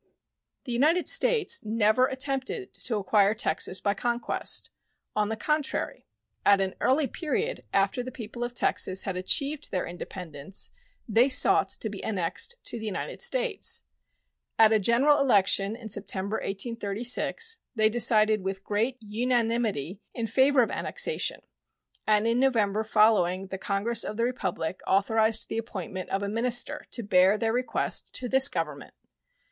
The United States never attempted to acquire Texas by conquest. On the contrary, at an early period after the people of Texas had achieved their independence they sought to be annexed to the United States. At a general election in September, 1836, they decided with great unanimity in favor of "annexation," and in November following the Congress of the Republic authorized the appointment of a minister to bear their request to this Government.